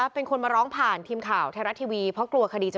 เป็นคนมาร้องผ่านทีมข่าวไทยรัฐทีวีเพราะกลัวคดีจะ